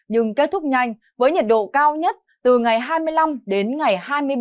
nhưng kết thúc nhanh với nhiệt độ cao nhất từ ngày hai mươi năm đến ngày hai mươi bảy